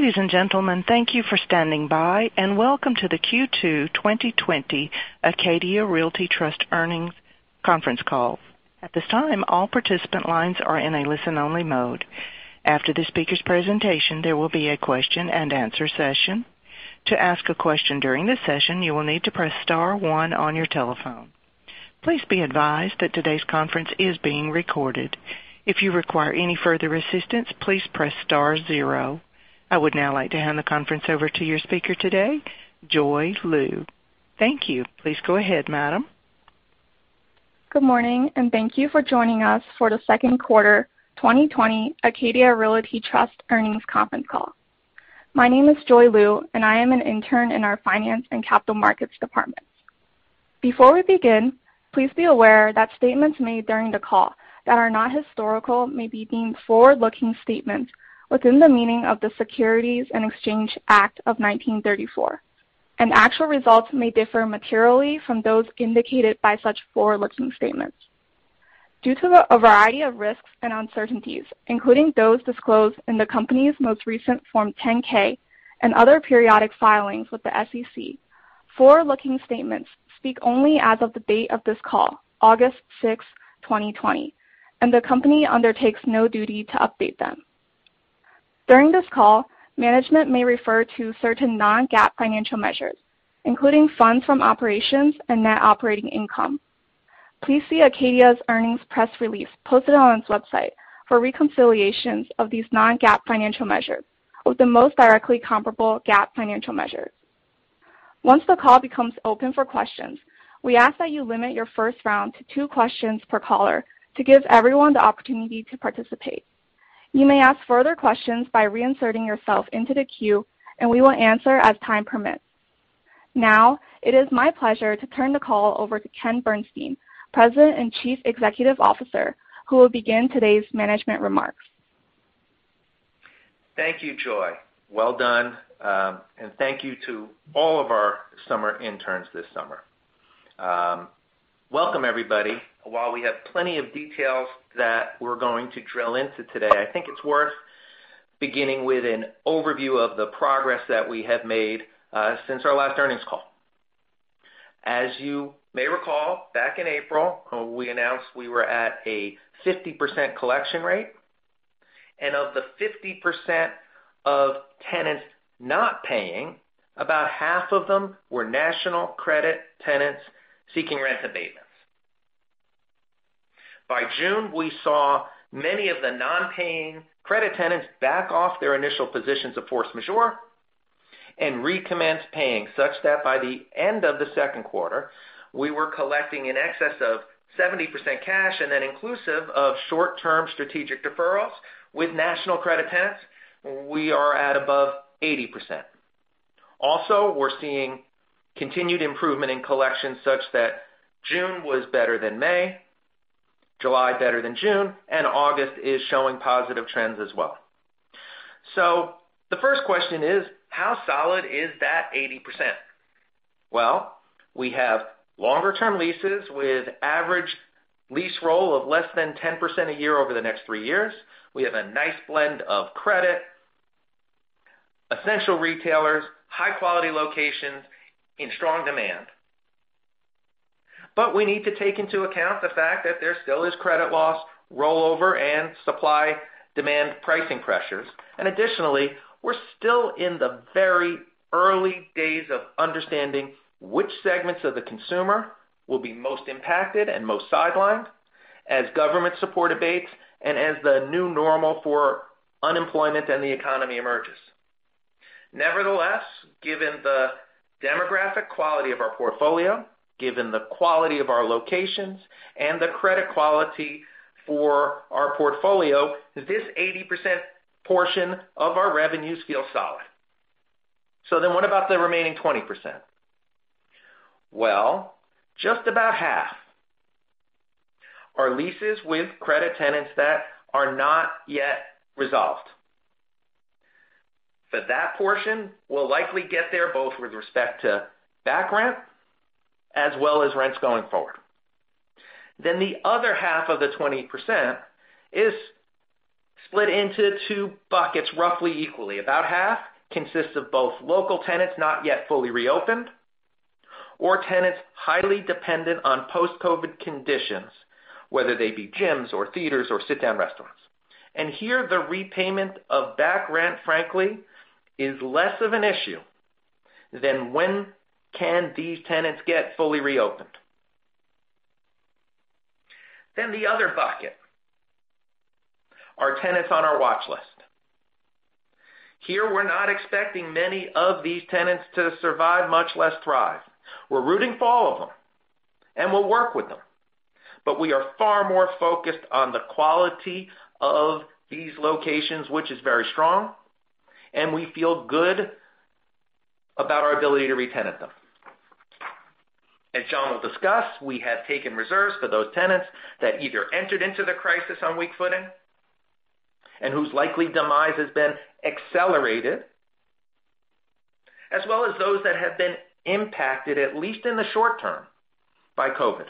Ladies and gentlemen, thank you for standing by, and welcome to the Q2 2020 Acadia Realty Trust earnings conference call. At this time, all participant lines are in a listen-only mode. After the speaker's presentation, there will be a question and answer session. To ask a question during the session, you will need to press star one on your telephone. Please be advised that today's conference is being recorded. If you require any further assistance, please press star zero. I would now like to hand the conference over to your speaker today, Joy Liu. Thank you. Please go ahead, madam. Good morning, and thank you for joining us for the second quarter 2020 Acadia Realty Trust earnings conference call. My name is Joy Liu, and I am an intern in our finance and capital markets department. Before we begin, please be aware that statements made during the call that are not historical may be deemed forward-looking statements within the meaning of the Securities Exchange Act of 1934, and actual results may differ materially from those indicated by such forward-looking statements. Due to a variety of risks and uncertainties, including those disclosed in the company's most recent Form 10-K and other periodic filings with the SEC, forward-looking statements speak only as of the date of this call, August 6th, 2020, and the company undertakes no duty to update them. During this call, management may refer to certain non-GAAP financial measures, including funds from operations and net operating income. Please see Acadia's earnings press release posted on its website for reconciliations of these non-GAAP financial measures with the most directly comparable GAAP financial measures. Once the call becomes open for questions, we ask that you limit your first round to two questions per caller to give everyone the opportunity to participate. You may ask further questions by reinserting yourself into the queue, and we will answer as time permits. Now, it is my pleasure to turn the call over to Kenneth Bernstein, President and Chief Executive Officer, who will begin today's management remarks. Thank you, Joy. Well done, and thank you to all of our summer interns this summer. Welcome, everybody. While we have plenty of details that we're going to drill into today, I think it's worth beginning with an overview of the progress that we have made since our last earnings call. As you may recall, back in April, we announced we were at a 50% collection rate, and of the 50% of tenants not paying, about half of them were national credit tenants seeking rent abatements. By June, we saw many of the non-paying credit tenants back off their initial positions of force majeure and recommence paying such that by the end of the second quarter, we were collecting in excess of 70% cash, and then inclusive of short-term strategic deferrals with national credit tenants, we are at above 80%. Also, we're seeing continued improvement in collections such that June was better than May, July better than June, and August is showing positive trends as well. The first question is: How solid is that 80%? Well, we have longer-term leases with average lease roll of less than 10% a year over the next three years. We have a nice blend of credit, essential retailers, high-quality locations in strong demand. We need to take into account the fact that there still is credit loss, rollover, and supply/demand pricing pressures. Additionally, we're still in the very early days of understanding which segments of the consumer will be most impacted and most sidelined as government support abates and as the new normal for unemployment and the economy emerges. Nevertheless, given the demographic quality of our portfolio, given the quality of our locations, and the credit quality for our portfolio, this 80% portion of our revenues feel solid. What about the remaining 20%? Just about half are leases with credit tenants that are not yet resolved. That portion will likely get there both with respect to back rent as well as rents going forward. The other half of the 20% is split into two buckets roughly equally. About half consists of both local tenants not yet fully reopened or tenants highly dependent on post-COVID conditions, whether they be gyms or theaters or sit-down restaurants. Here, the repayment of back rent, frankly, is less of an issue than when can these tenants get fully reopened. The other bucket are tenants on our watch list. Here, we're not expecting many of these tenants to survive, much less thrive. We're rooting for all of them, and we'll work with them. We are far more focused on the quality of these locations, which is very strong, and we feel good about our ability to re-tenant them. As John will discuss, we have taken reserves for those tenants that either entered into the crisis on weak footing and whose likely demise has been accelerated, as well as those that have been impacted, at least in the short term, by COVID.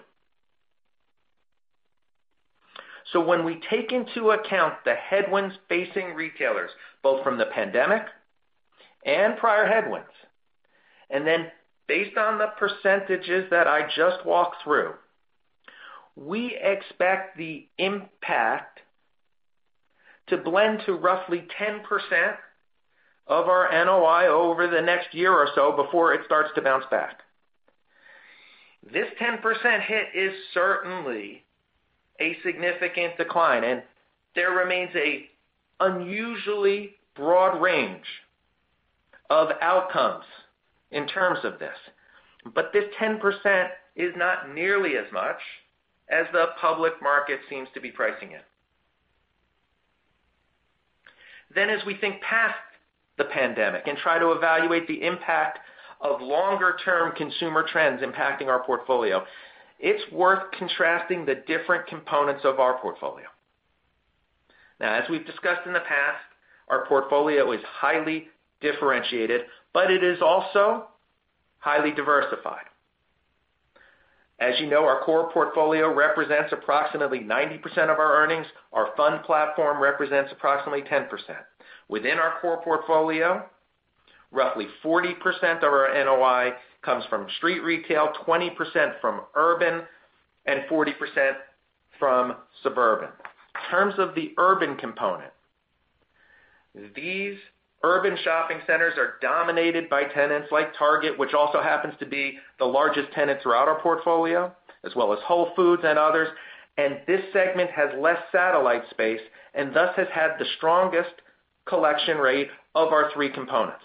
When we take into account the headwinds facing retailers, both from the pandemic and prior headwinds, and then based on the percentages that I just walked through, we expect the impact to blend to roughly 10% of our NOI over the next year or so before it starts to bounce back. This 10% hit is certainly a significant decline, and there remains an unusually broad range of outcomes in terms of this. This 10% is not nearly as much as the public market seems to be pricing it. As we think past the pandemic and try to evaluate the impact of longer-term consumer trends impacting our portfolio, it's worth contrasting the different components of our portfolio. Now, as we've discussed in the past, our portfolio is highly differentiated, but it is also highly diversified. As you know, our core portfolio represents approximately 90% of our earnings. Our fund platform represents approximately 10%. Within our core portfolio, roughly 40% of our NOI comes from street retail, 20% from urban, and 40% from suburban. In terms of the urban component, these urban shopping centers are dominated by tenants like Target, which also happens to be the largest tenant throughout our portfolio, as well as Whole Foods and others, and this segment has less satellite space, and thus has had the strongest collection rate of our three components.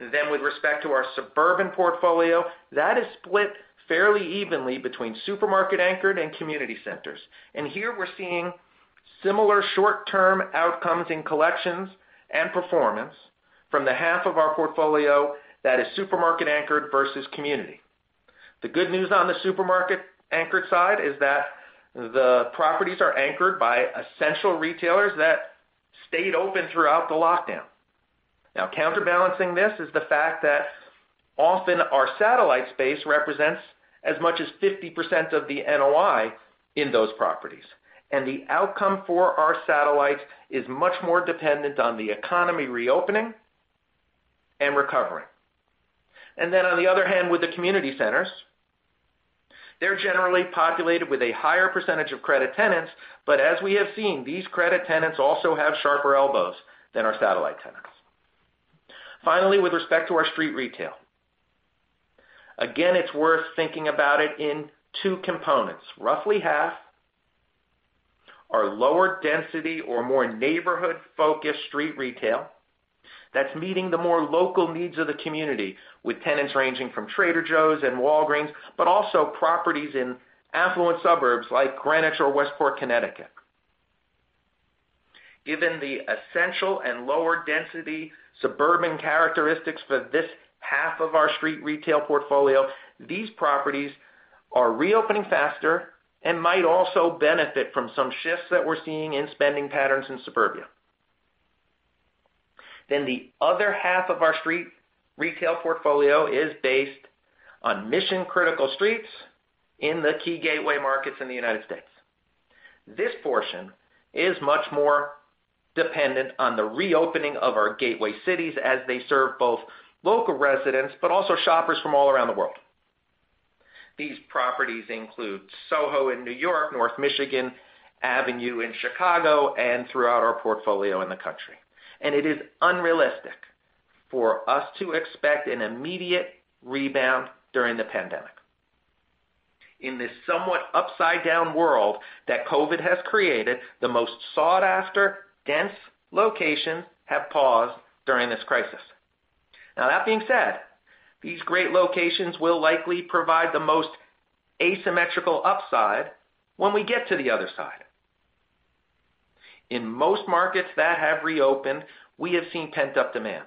With respect to our suburban portfolio, that is split fairly evenly between supermarket anchored and community centers. Here we're seeing similar short-term outcomes in collections and performance from the half of our portfolio that is supermarket anchored versus community. The good news on the supermarket anchored side is that the properties are anchored by essential retailers that stayed open throughout the lockdown. Now, counterbalancing this is the fact that often our satellite space represents as much as 50% of the NOI in those properties, and the outcome for our satellites is much more dependent on the economy reopening and recovering. On the other hand, with the community centers, they're generally populated with a higher percentage of credit tenants, but as we have seen, these credit tenants also have sharper elbows than our satellite tenants. Finally, with respect to our street retail, again, it's worth thinking about it in two components. Roughly half are lower density or more neighborhood-focused street retail that's meeting the more local needs of the community with tenants ranging from Trader Joe's and Walgreens, but also properties in affluent suburbs like Greenwich or Westport, Connecticut. Given the essential and lower density suburban characteristics for this half of our street retail portfolio, these properties are reopening faster and might also benefit from some shifts that we're seeing in spending patterns in suburbia. The other half of our street retail portfolio is based on mission-critical streets in the key gateway markets in the U.S. This portion is much more dependent on the reopening of our gateway cities as they serve both local residents, but also shoppers from all around the world. These properties include SoHo in New York, North Michigan Avenue in Chicago, and throughout our portfolio in the country. It is unrealistic for us to expect an immediate rebound during the pandemic. In this somewhat upside-down world that COVID has created, the most sought-after dense locations have paused during this crisis. Now, that being said, these great locations will likely provide the most asymmetrical upside when we get to the other side. In most markets that have reopened, we have seen pent-up demand.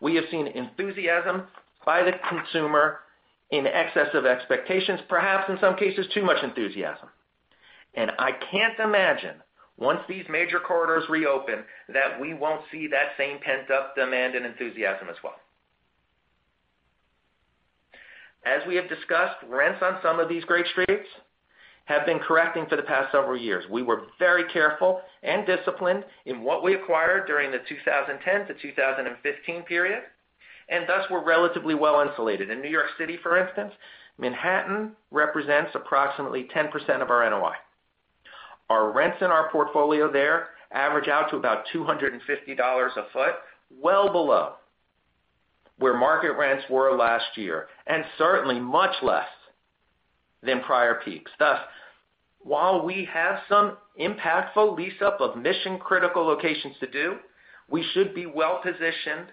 We have seen enthusiasm by the consumer in excess of expectations, perhaps in some cases, too much enthusiasm. I can't imagine once these major corridors reopen that we won't see that same pent-up demand and enthusiasm as well. As we have discussed, rents on some of these great streets have been correcting for the past several years. We were very careful and disciplined in what we acquired during the 2010-2015 period, and thus were relatively well insulated. In New York City, for instance, Manhattan represents approximately 10% of our NOI. Our rents in our portfolio there average out to about $250 a foot, well below where market rents were last year, and certainly much less than prior peaks. Thus, while we have some impactful lease-up of mission-critical locations to do, we should be well positioned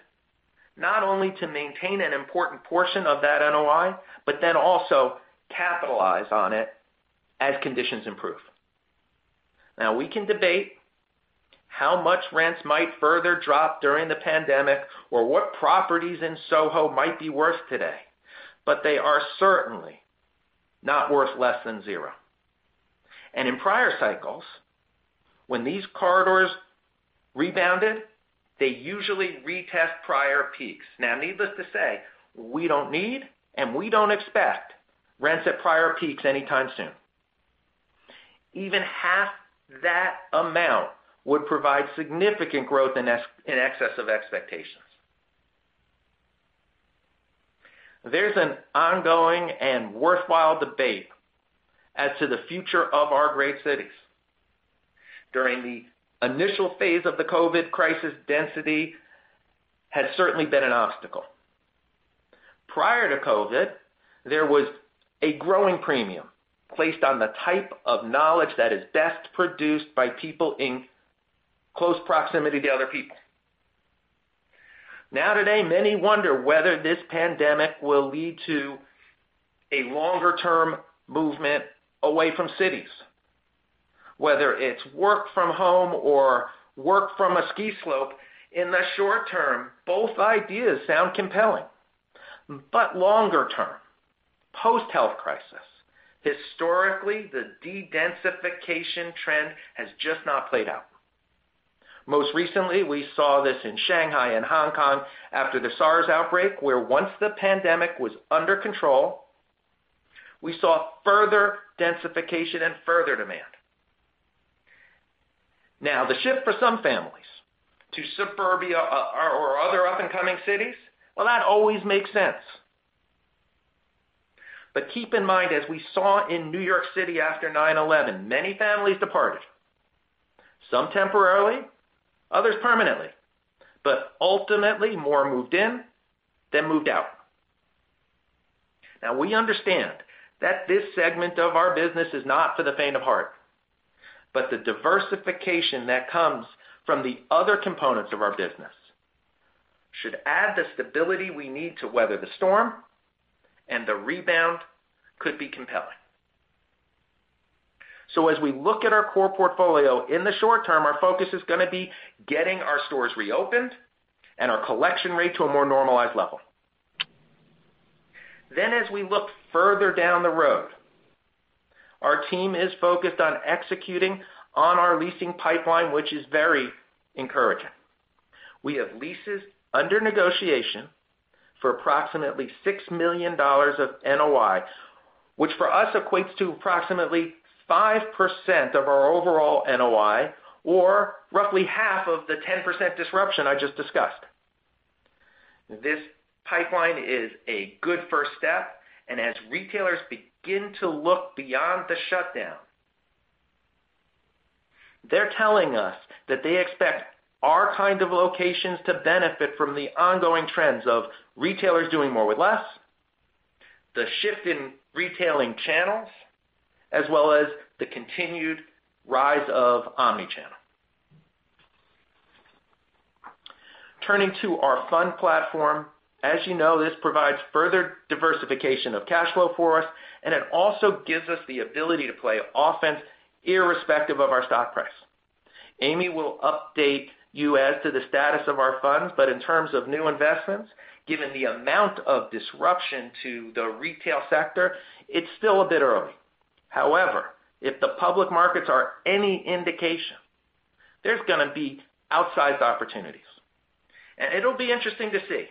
not only to maintain an important portion of that NOI, but then also capitalize on it as conditions improve. Now, we can debate how much rents might further drop during the pandemic or what properties in SoHo might be worth today, but they are certainly not worth less than zero. In prior cycles, when these corridors rebounded, they usually retest prior peaks. Now needless to say, we don't need, and we don't expect rents at prior peaks anytime soon. Even half that amount would provide significant growth in excess of expectations. There's an ongoing and worthwhile debate as to the future of our great cities. During the initial phase of the COVID-19 crisis, density has certainly been an obstacle. Prior to COVID-19, there was a growing premium placed on the type of knowledge that is best produced by people in close proximity to other people. Today, many wonder whether this pandemic will lead to a longer-term movement away from cities. Whether it's work from home or work from a ski slope, in the short term, both ideas sound compelling. Longer-term, post-health crisis, historically, the dedensification trend has just not played out. Most recently, we saw this in Shanghai and Hong Kong after the SARS outbreak, where once the pandemic was under control, we saw further densification and further demand. The shift for some families to suburbia or other up-and-coming cities, well, that always makes sense. Keep in mind, as we saw in New York City after 9/11, many families departed, some temporarily, others permanently. Ultimately, more moved in than moved out. We understand that this segment of our business is not for the faint of heart, but the diversification that comes from the other components of our business should add the stability we need to weather the storm, and the rebound could be compelling. As we look at our core portfolio, in the short term, our focus is going to be getting our stores reopened and our collection rate to a more normalized level. As we look further down the road, our team is focused on executing on our leasing pipeline, which is very encouraging. We have leases under negotiation for approximately $6 million of NOI, which for us equates to approximately 5% of our overall NOI, or roughly half of the 10% disruption I just discussed. This pipeline is a good first step, and as retailers begin to look beyond the shutdown, they're telling us that they expect our kind of locations to benefit from the ongoing trends of retailers doing more with less, the shift in retailing channels, as well as the continued rise of omni-channel. Turning to our fund platform. As you know, this provides further diversification of cash flow for us, and it also gives us the ability to play offense irrespective of our stock price. Amy will update you as to the status of our funds, but in terms of new investments, given the amount of disruption to the retail sector, it's still a bit early. However, if the public markets are any indication, there's going to be outsized opportunities. It'll be interesting to see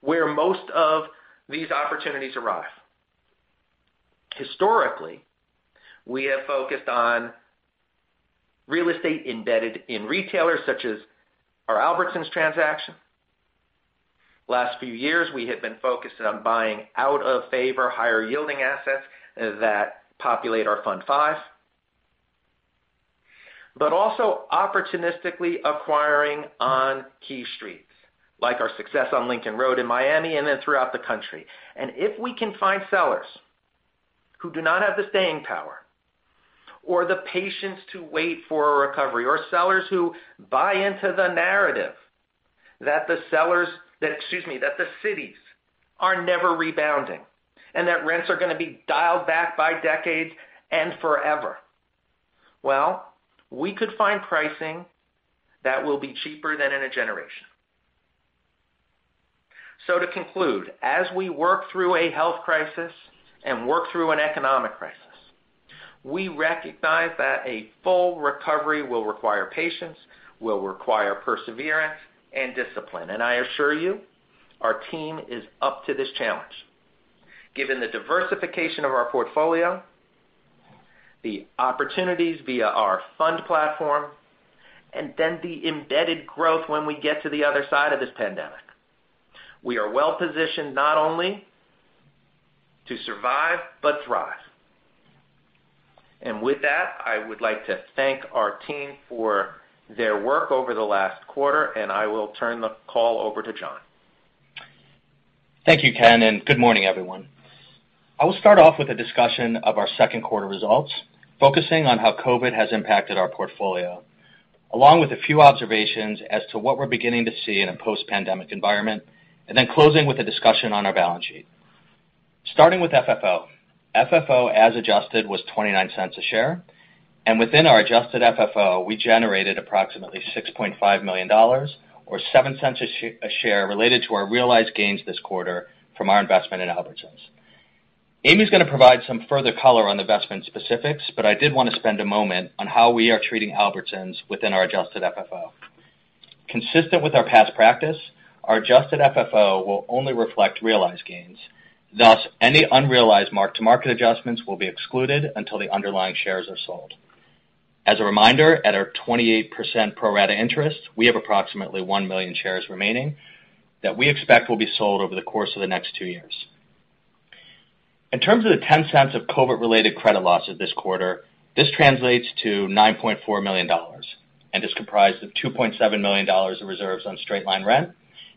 where most of these opportunities arise. Historically, we have focused on real estate embedded in retailers such as our Albertsons transaction. Last few years, we have been focused on buying out-of-favor, higher-yielding assets that populate our Fund V, but also opportunistically acquiring on key streets, like our success on Lincoln Road in Miami and then throughout the country. If we can find sellers who do not have the staying power or the patience to wait for a recovery, or sellers who buy into the narrative that the cities are never rebounding and that rents are going to be dialed back by decades and forever, well, we could find pricing that will be cheaper than in a generation. To conclude, as we work through a health crisis and work through an economic crisis, we recognize that a full recovery will require patience, will require perseverance and discipline. I assure you, our team is up to this challenge. Given the diversification of our portfolio, the opportunities via our fund platform, the embedded growth when we get to the other side of this pandemic, we are well positioned not only to survive, but thrive. With that, I would like to thank our team for their work over the last quarter, and I will turn the call over to John. Thank you, Ken. Good morning, everyone. I will start off with a discussion of our second quarter results, focusing on how COVID has impacted our portfolio, along with a few observations as to what we're beginning to see in a post-pandemic environment, then closing with a discussion on our balance sheet. Starting with FFO. FFO, as adjusted, was $0.29 a share. Within our adjusted FFO, we generated approximately $6.5 million, or $0.07 a share, related to our realized gains this quarter from our investment in Albertsons. Amy's going to provide some further color on the investment specifics. I did want to spend a moment on how we are treating Albertsons within our adjusted FFO. Consistent with our past practice, our adjusted FFO will only reflect realized gains, thus any unrealized mark-to-market adjustments will be excluded until the underlying shares are sold. As a reminder, at our 28% pro rata interest, we have approximately 1 million shares remaining that we expect will be sold over the course of the next two years. In terms of the $0.10 of COVID-related credit losses this quarter, this translates to $9.4 million and is comprised of $2.7 million in reserves on straight-line rent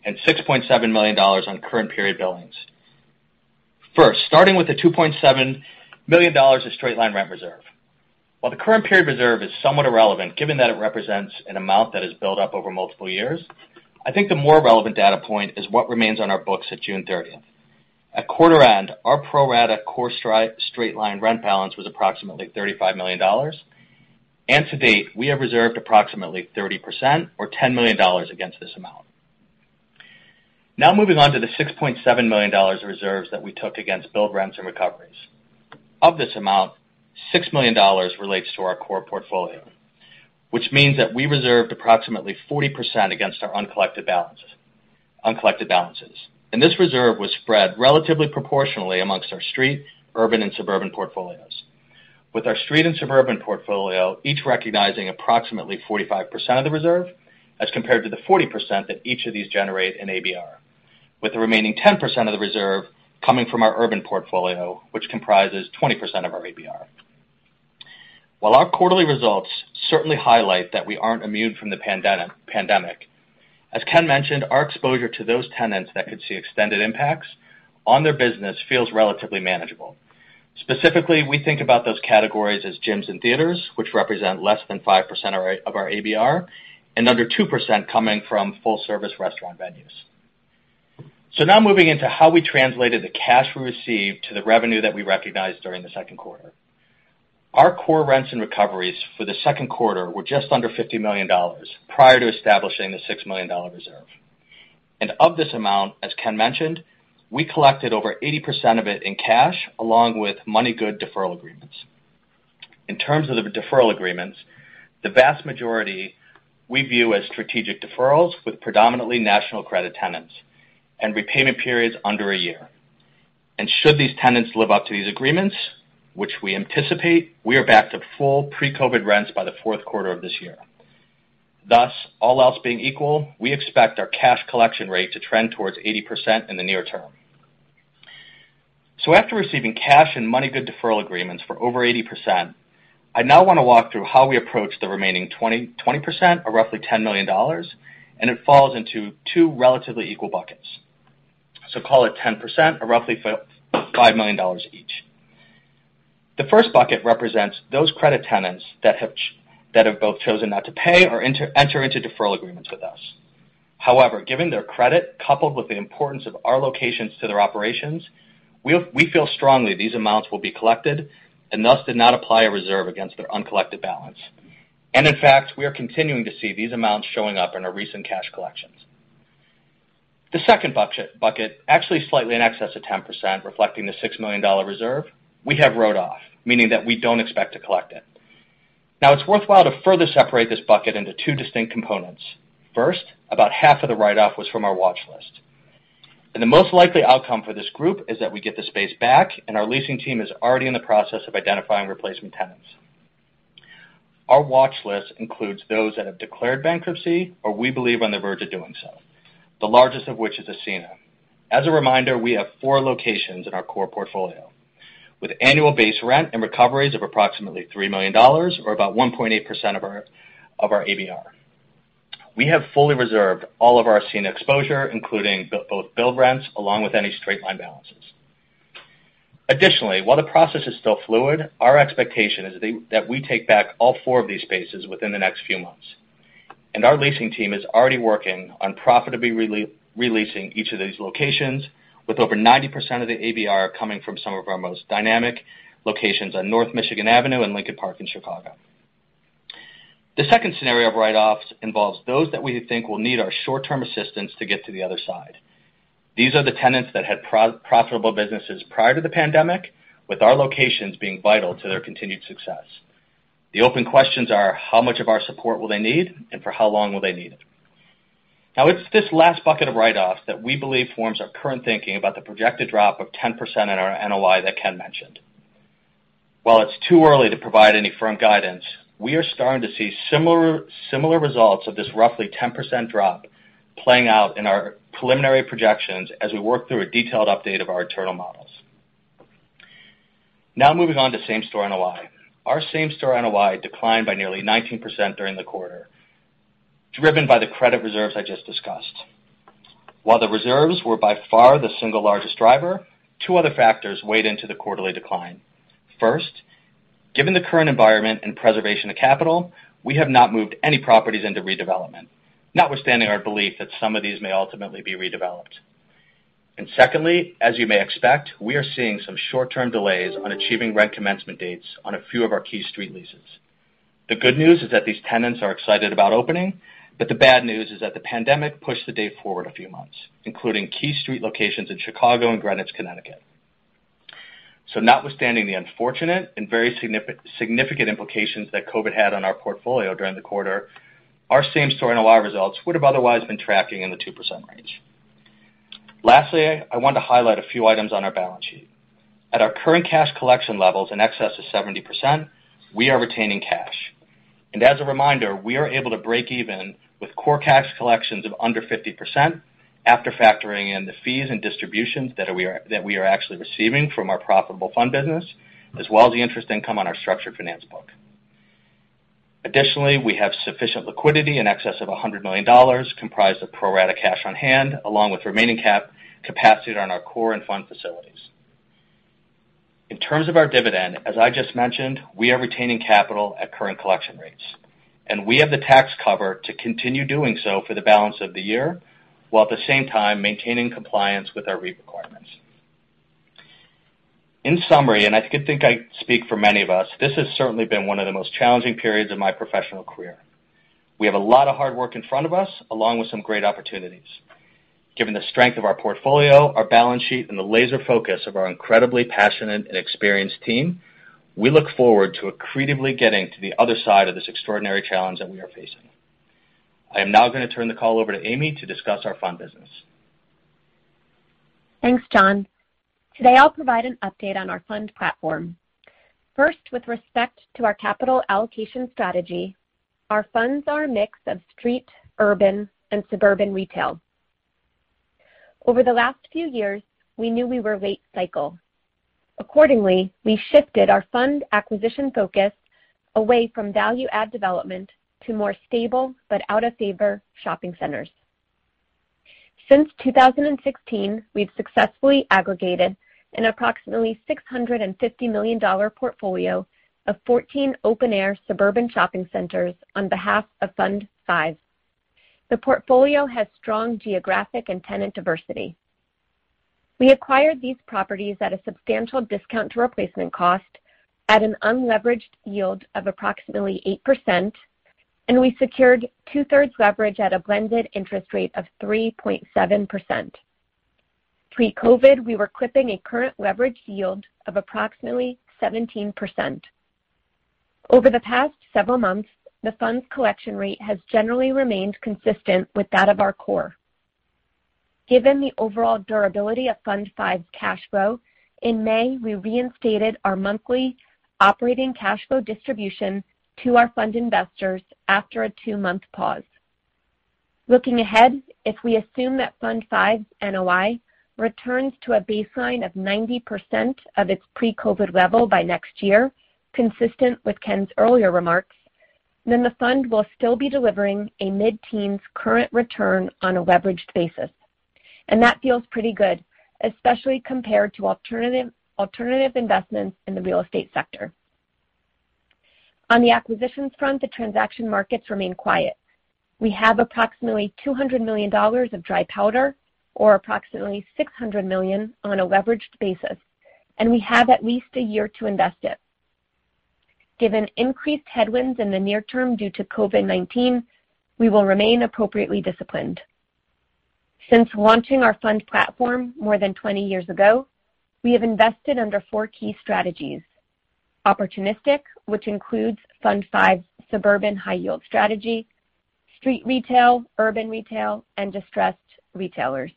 and $6.7 million on current period billings. Starting with the $2.7 million of straight-line rent reserve. The current period reserve is somewhat irrelevant, given that it represents an amount that has built up over multiple years, I think the more relevant data point is what remains on our books at June 30th. At quarter end, our pro rata core straight-line rent balance was approximately $35 million, and to date, we have reserved approximately 30% or $10 million against this amount. Moving on to the $6.7 million reserves that we took against billed rents and recoveries. Of this amount, $6 million relates to our core portfolio, which means that we reserved approximately 40% against our uncollected balances. This reserve was spread relatively proportionally amongst our street, urban, and suburban portfolios, with our street and suburban portfolio each recognizing approximately 45% of the reserve as compared to the 40% that each of these generate in ABR. With the remaining 10% of the reserve coming from our urban portfolio, which comprises 20% of our ABR. While our quarterly results certainly highlight that we aren't immune from the pandemic, as Ken mentioned, our exposure to those tenants that could see extended impacts on their business feels relatively manageable. Specifically, we think about those categories as gyms and theaters, which represent less than 5% of our ABR, and under 2% coming from full-service restaurant venues. Now moving into how we translated the cash we received to the revenue that we recognized during the second quarter. Our core rents and recoveries for the second quarter were just under $50 million prior to establishing the $6 million reserve. Of this amount, as Ken mentioned, we collected over 80% of it in cash, along with money-good deferral agreements. In terms of the deferral agreements, the vast majority we view as strategic deferrals with predominantly national credit tenants and repayment periods under a year. Should these tenants live up to these agreements, which we anticipate, we are back to full pre-COVID-19 rents by the fourth quarter of this year. Thus, all else being equal, we expect our cash collection rate to trend towards 80% in the near term. After receiving cash and money-good deferral agreements for over 80%, I now want to walk through how we approach the remaining 20% or roughly $10 million, and it falls into two relatively equal buckets. Call it 10% or roughly $5 million each. The first bucket represents those credit tenants that have both chosen not to pay or enter into deferral agreements with us. However, given their credit, coupled with the importance of our locations to their operations, we feel strongly these amounts will be collected and thus did not apply a reserve against their uncollected balance. In fact, we are continuing to see these amounts showing up in our recent cash collections. The second bucket, actually slightly in excess of 10%, reflecting the $6 million reserve, we have wrote off, meaning that we don't expect to collect it. It's worthwhile to further separate this bucket into two distinct components. First, about half of the write-off was from our watch list. The most likely outcome for this group is that we get the space back, and our leasing team is already in the process of identifying replacement tenants. Our watch list includes those that have declared bankruptcy or we believe on the verge of doing so, the largest of which is Ascena. As a reminder, we have four locations in our core portfolio with annual base rent and recoveries of approximately $3 million or about 1.8% of our ABR. We have fully reserved all of our Ascena exposure, including both billed rents along with any straight-line balances. Additionally, while the process is still fluid, our expectation is that we take back all four of these spaces within the next few months. Our leasing team is already working on profitably re-leasing each of these locations with over 90% of the ABR coming from some of our most dynamic locations on North Michigan Avenue and Lincoln Park in Chicago. The second scenario of write-offs involves those that we think will need our short-term assistance to get to the other side. These are the tenants that had profitable businesses prior to the pandemic, with our locations being vital to their continued success. The open questions are: How much of our support will they need and for how long will they need it? It's this last bucket of write-offs that we believe forms our current thinking about the projected drop of 10% in our NOI that Ken mentioned. While it's too early to provide any firm guidance, we are starting to see similar results of this roughly 10% drop playing out in our preliminary projections as we work through a detailed update of our internal models. Now moving on to same-store NOI. Our same-store NOI declined by nearly 19% during the quarter, driven by the credit reserves I just discussed. While the reserves were by far the single largest driver, two other factors weighed into the quarterly decline. First, given the current environment and preservation of capital, we have not moved any properties into redevelopment, notwithstanding our belief that some of these may ultimately be redeveloped. Secondly, as you may expect, we are seeing some short-term delays on achieving rent commencement dates on a few of our key street leases. The good news is that these tenants are excited about opening, but the bad news is that the pandemic pushed the date forward a few months, including key street locations in Chicago and Greenwich, Connecticut. Notwithstanding the unfortunate and very significant implications that COVID had on our portfolio during the quarter, our same-store NOI results would have otherwise been tracking in the 2% range. Lastly, I want to highlight a few items on our balance sheet. At our current cash collection levels in excess of 70%, we are retaining cash. As a reminder, we are able to break even with core cash collections of under 50% after factoring in the fees and distributions that we are actually receiving from our profitable fund business, as well as the interest income on our structured finance book. Additionally, we have sufficient liquidity in excess of $100 million, comprised of pro-rata cash on hand, along with remaining capacity on our core and fund facilities. In terms of our dividend, as I just mentioned, we are retaining capital at current collection rates, and we have the tax cover to continue doing so for the balance of the year, while at the same time maintaining compliance with our REIT requirements. In summary, I think I speak for many of us, this has certainly been one of the most challenging periods of my professional career. We have a lot of hard work in front of us, along with some great opportunities. Given the strength of our portfolio, our balance sheet, and the laser focus of our incredibly passionate and experienced team, we look forward to accretively getting to the other side of this extraordinary challenge that we are facing. I am now going to turn the call over to Amy to discuss our fund business. Thanks, John. Today, I'll provide an update on our fund platform. First, with respect to our capital allocation strategy, our funds are a mix of street, urban, and suburban retail. Over the last few years, we knew we were late cycle. Accordingly, we shifted our fund acquisition focus away from value-add development to more stable but out-of-favor shopping centers. Since 2016, we've successfully aggregated an approximately $650 million portfolio of 14 open-air suburban shopping centers on behalf of Fund V. The portfolio has strong geographic and tenant diversity. We acquired these properties at a substantial discount to replacement cost at an unleveraged yield of approximately 8%, and we secured 2/3 leverage at a blended interest rate of 3.7%. Pre-COVID, we were clipping a current leverage yield of approximately 17%. Over the past several months, the fund's collection rate has generally remained consistent with that of our core. Given the overall durability of Fund V's cash flow, in May, we reinstated our monthly operating cash flow distribution to our fund investors after a two-month pause. Looking ahead, if we assume that Fund V's NOI returns to a baseline of 90% of its pre-COVID-19 level by next year, consistent with Ken's earlier remarks, the fund will still be delivering a mid-teens current return on a leveraged basis. That feels pretty good, especially compared to alternative investments in the real estate sector. On the acquisitions front, the transaction markets remain quiet. We have approximately $200 million of dry powder, or approximately $600 million on a leveraged basis, and we have at least a year to invest it. Given increased headwinds in the near term due to COVID-19, we will remain appropriately disciplined. Since launching our fund platform more than 20 years ago, we have invested under four key strategies: opportunistic, which includes Fund V's suburban high yield strategy, street retail, urban retail, and distressed retailers.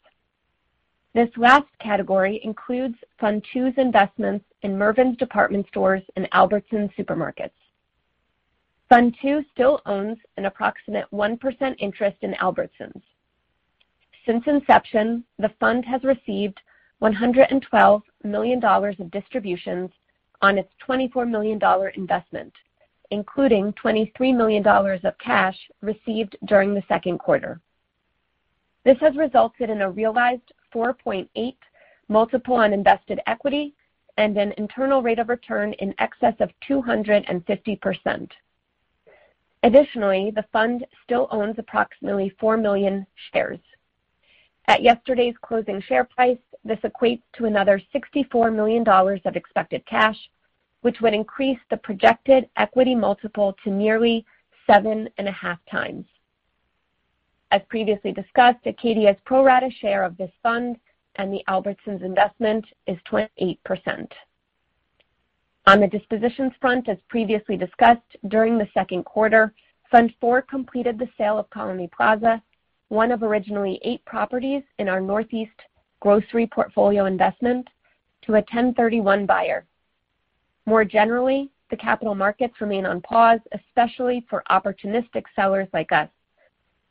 This last category includes Fund II's investments in Mervyn's department stores and Albertsons supermarkets. Fund II still owns an approximate 1% interest in Albertsons. Since inception, the fund has received $112 million in distributions on its $24 million investment, including $23 million of cash received during the second quarter. This has resulted in a realized 4.8 multiple on invested equity and an internal rate of return in excess of 250%. Additionally, the fund still owns approximately 4 million shares. At yesterday's closing share price, this equates to another $64 million of expected cash, which would increase the projected equity multiple to nearly seven and a half times. As previously discussed, Acadia's pro-rata share of this fund and the Albertsons investment is 28%. On the dispositions front, as previously discussed, during the second quarter, Fund IV completed the sale of Colonie Plaza, one of originally eight properties in our Northeast grocery portfolio investment, to a 1031 buyer. More generally, the capital markets remain on pause, especially for opportunistic sellers like us.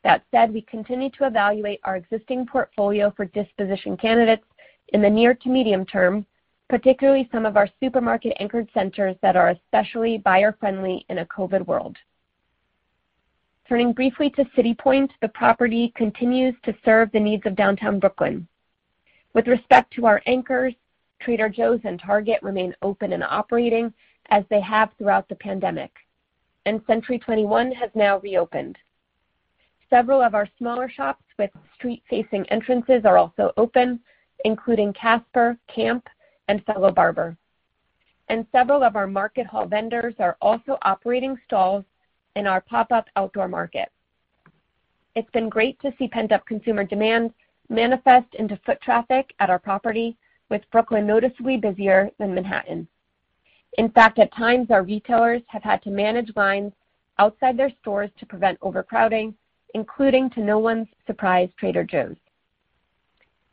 That said, we continue to evaluate our existing portfolio for disposition candidates in the near to medium term, particularly some of our supermarket anchored centers that are especially buyer-friendly in a COVID world. Turning briefly to City Point, the property continues to serve the needs of downtown Brooklyn. With respect to our anchors, Trader Joe's and Target remain open and operating as they have throughout the pandemic. Century 21 has now reopened. Several of our smaller shops with street-facing entrances are also open, including Casper, Camp, and Fellow Barber. Several of our market hall vendors are also operating stalls in our pop-up outdoor market. It's been great to see pent-up consumer demand manifest into foot traffic at our property, with Brooklyn noticeably busier than Manhattan. In fact, at times, our retailers have had to manage lines outside their stores to prevent overcrowding, including, to no one's surprise, Trader Joe's.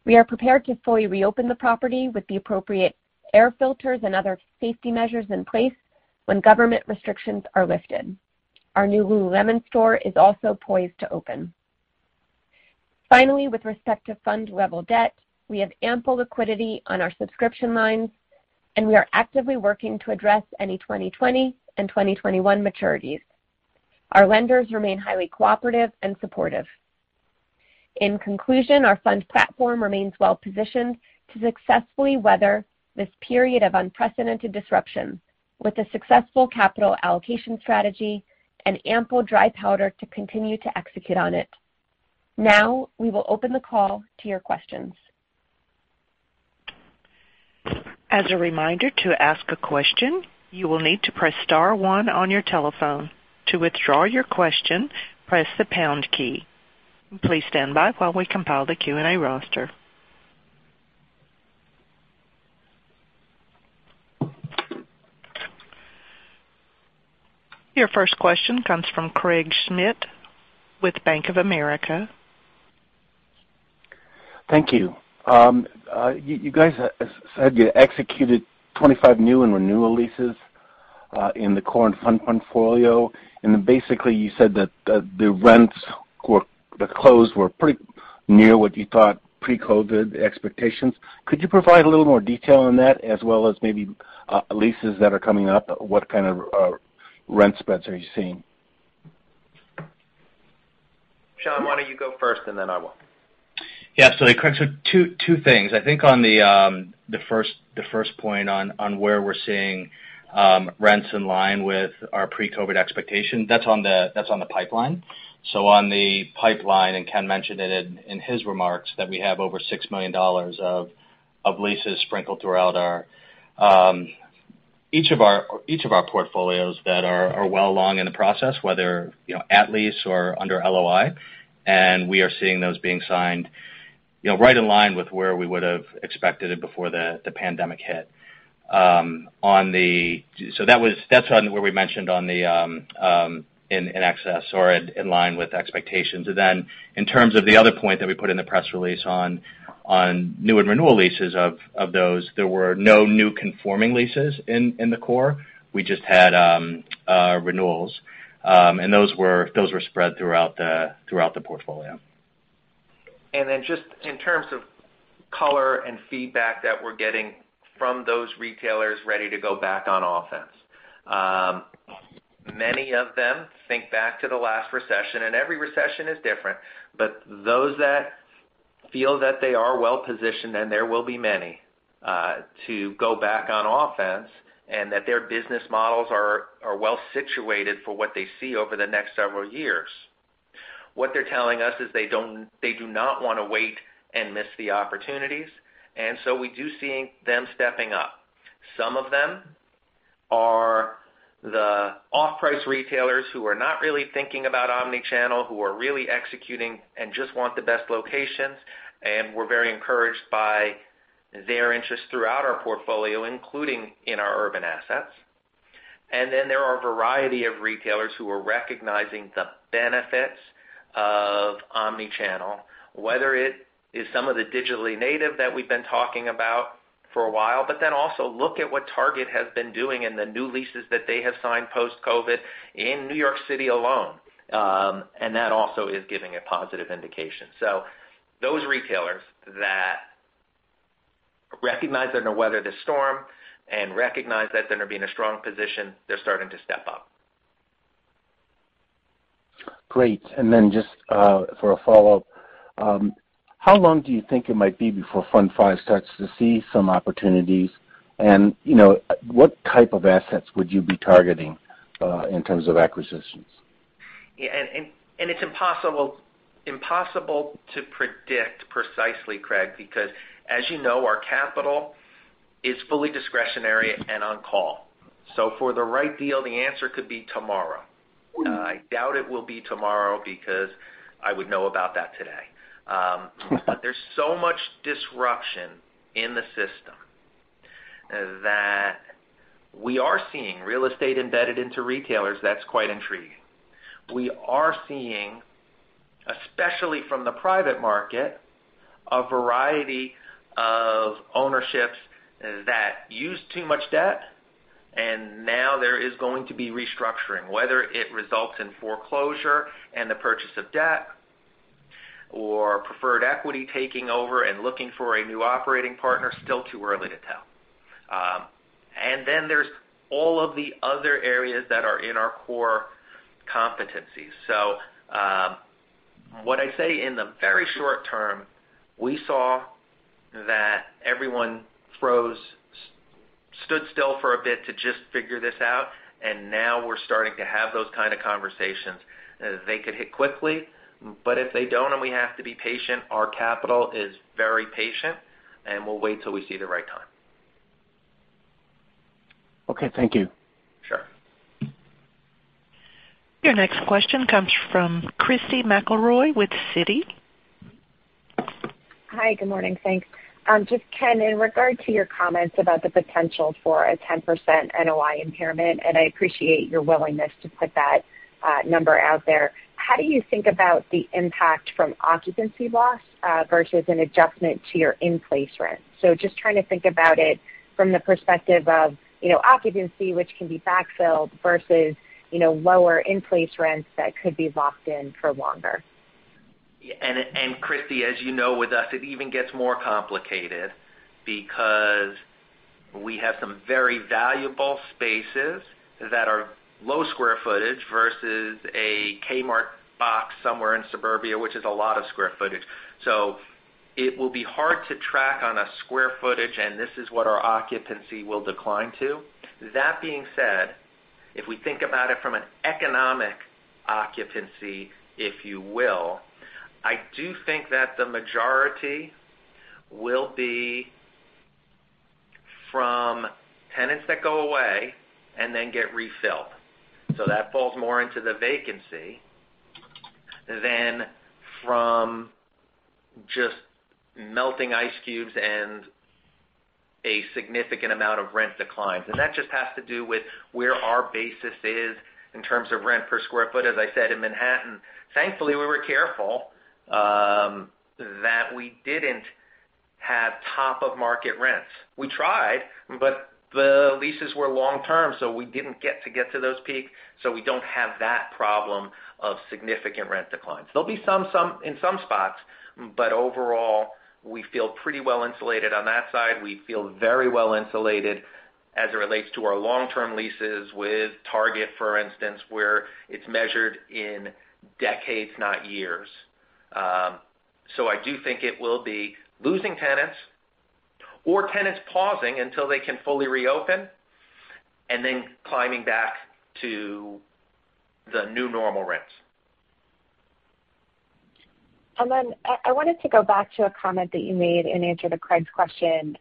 We are prepared to fully reopen the property with the appropriate air filters and other safety measures in place when government restrictions are lifted. Our new Lululemon store is also poised to open. Finally, with respect to fund-level debt, we have ample liquidity on our subscription lines, and we are actively working to address any 2020 and 2021 maturities. Our lenders remain highly cooperative and supportive. In conclusion, our fund platform remains well-positioned to successfully weather this period of unprecedented disruption with a successful capital allocation strategy and ample dry powder to continue to execute on it. Now, we will open the call to your questions. As a reminder, to ask a question, you will need to press star one on your telephone. To withdraw your question, press the pound key. Please stand by while we compile the Q&A roster. Your first question comes from Craig Schmidt with Bank of America. Thank you. You guys said you executed 25 new and renewal leases in the current fund portfolio. Basically you said that the rents, the close were pretty near what you thought pre-COVID expectations. Could you provide a little more detail on that as well as maybe leases that are coming up? What kind of rent spreads are you seeing? John, why don't you go first, and then I will. Craig, two things. I think on the first point on where we're seeing rents in line with our pre-COVID-19 expectation, that's on the pipeline. On the pipeline, and Ken mentioned it in his remarks, that we have over $6 million of leases sprinkled throughout each of our portfolios that are well along in the process, whether at lease or under LOI. We are seeing those being signed right in line with where we would've expected it before the pandemic hit. That's on where we mentioned in excess or in line with expectations. Then in terms of the other point that we put in the press release on new and renewal leases, of those, there were no new conforming leases in the core. We just had renewals. Those were spread throughout the portfolio. Then just in terms of color and feedback that we're getting from those retailers ready to go back on offense. Many of them think back to the last recession, and every recession is different, but those that feel that they are well-positioned, and there will be many to go back on offense and that their business models are well situated for what they see over the next several years. What they're telling us is they do not want to wait and miss the opportunities. So we do see them stepping up. Some of them are the off-price retailers who are not really thinking about omnichannel, who are really executing and just want the best locations, and we're very encouraged by their interest throughout our portfolio, including in our urban assets. There are a variety of retailers who are recognizing the benefits of omnichannel, whether it is some of the digitally native that we've been talking about for a while. Also look at what Target has been doing and the new leases that they have signed post-COVID in New York City alone. That also is giving a positive indication. Those retailers that recognize they're going to weather the storm and recognize that they're going to be in a strong position, they're starting to step up. Great. Just for a follow-up, how long do you think it might be before Fund V starts to see some opportunities? What type of assets would you be targeting in terms of acquisitions? Yeah. It's impossible to predict precisely, Craig, because as you know, our capital is fully discretionary and on call. For the right deal, the answer could be tomorrow. I doubt it will be tomorrow because I would know about that today. There's so much disruption in the system that we are seeing real estate embedded into retailers that's quite intriguing. We are seeing, especially from the private market, a variety of ownerships that used too much debt, and now there is going to be restructuring, whether it results in foreclosure and the purchase of debt or preferred equity taking over and looking for a new operating partner, still too early to tell. There's all of the other areas that are in our core competencies. What I say in the very short term, we saw that everyone froze. Stood still for a bit to just figure this out, and now we're starting to have those kind of conversations. They could hit quickly, but if they don't and we have to be patient, our capital is very patient, and we'll wait till we see the right time. Okay. Thank you. Sure. Your next question comes from Christy McElroy with Citi. Hi. Good morning. Thanks. Ken, in regard to your comments about the potential for a 10% NOI impairment, and I appreciate your willingness to put that number out there, how do you think about the impact from occupancy loss versus an adjustment to your in-place rent? Just trying to think about it from the perspective of occupancy, which can be backfilled versus lower in-place rents that could be locked in for longer. Christy, as you know, with us, it even gets more complicated because we have some very valuable spaces that are low square footage versus a Kmart box somewhere in suburbia, which is a lot of square footage. It will be hard to track on a square footage, and this is what our occupancy will decline to. That being said, if we think about it from an economic occupancy, if you will, I do think that the majority will be from tenants that go away and then get refilled. That falls more into the vacancy than from just melting ice cubes and a significant amount of rent declines. That just has to do with where our basis is in terms of rent per square foot. As I said, in Manhattan, thankfully, we were careful that we didn't have top-of-market rents. We tried, but the leases were long-term, so we didn't get to those peaks, so we don't have that problem of significant rent declines. There'll be some in some spots, but overall, we feel pretty well insulated on that side. We feel very well insulated as it relates to our long-term leases with Target, for instance, where it's measured in decades, not years. I do think it will be losing tenants or tenants pausing until they can fully reopen, and then climbing back to the new normal rents. I wanted to go back to a comment that you made in answer to Craig's question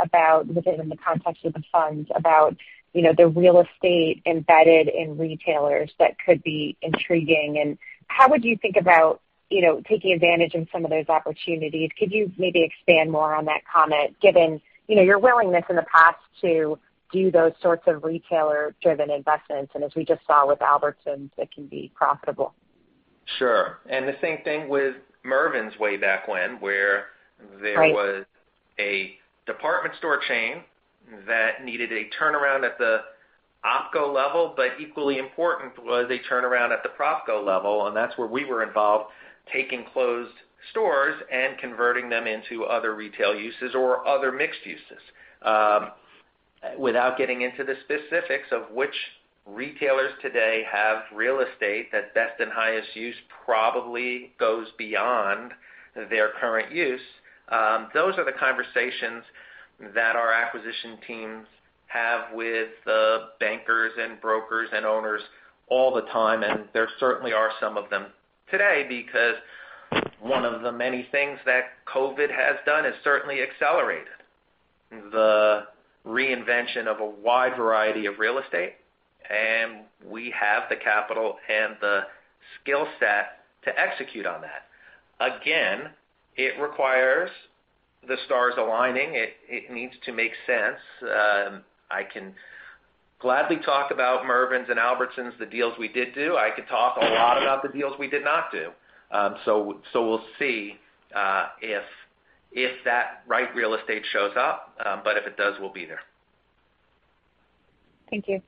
about within the context of the funds about the real estate embedded in retailers that could be intriguing. How would you think about taking advantage of some of those opportunities? Could you maybe expand more on that comment, given your willingness in the past to do those sorts of retailer-driven investments? As we just saw with Albertsons, that can be profitable. Sure. The same thing with Mervyn's way back when. There was a department store chain that needed a turnaround at the OpCo level, but equally important was a turnaround at the PropCo level, and that's where we were involved, taking closed stores and converting them into other retail uses or other mixed uses. Without getting into the specifics of which retailers today have real estate that best and highest use probably goes beyond their current use. Those are the conversations that our acquisition teams have with the bankers and brokers and owners all the time, and there certainly are some of them today because one of the many things that COVID has done is certainly accelerated the reinvention of a wide variety of real estate, and we have the capital and the skill set to execute on that. Again, it requires the stars aligning. It needs to make sense. I can gladly talk about Mervyn's and Albertsons, the deals we did do. I could talk a lot about the deals we did not do. We'll see if that right real estate shows up. If it does, we'll be there. Thank you.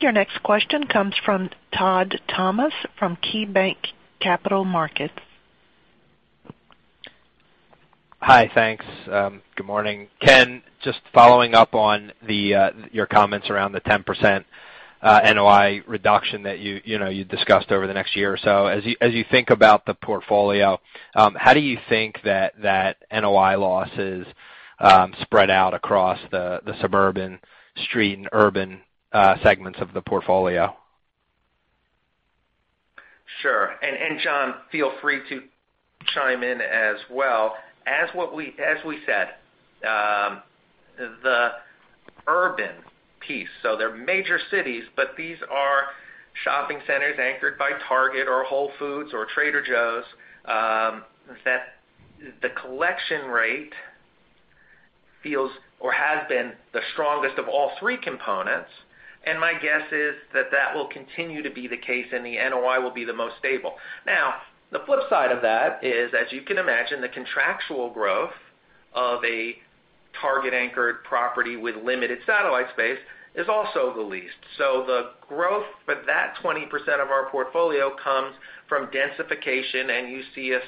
Your next question comes from Todd Thomas from KeyBanc Capital Markets. Hi. Thanks. Good morning. Ken, just following up on your comments around the 10% NOI reduction that you discussed over the next year or so. As you think about the portfolio, how do you think that NOI loss is spread out across the suburban street and urban segments of the portfolio? Sure. John, feel free to chime in as well. As we said, the urban piece, so they're major cities, but these are shopping centers anchored by Target or Whole Foods or Trader Joe's, that the collection rate feels or has been the strongest of all three components, and my guess is that that will continue to be the case, and the NOI will be the most stable. The flip side of that is, as you can imagine, the contractual growth of a Target-anchored property with limited satellite space is also the least. The growth for that 20% of our portfolio comes from densification, and you see us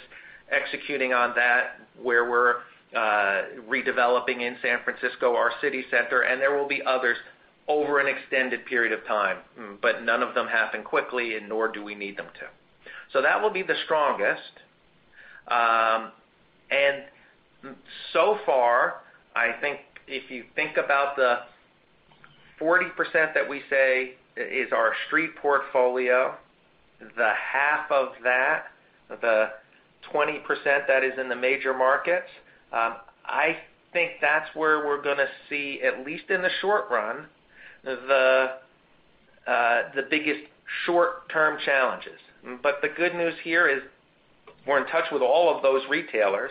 executing on that, where we're redeveloping in San Francisco, our City Center, and there will be others over an extended period of time. None of them happen quickly, and nor do we need them to. That will be the strongest. So far, I think if you think about the 40% that we say is our street portfolio, the half of that, the 20% that is in the major markets, I think that's where we're going to see, at least in the short run, the biggest short-term challenges. The good news here is we're in touch with all of those retailers,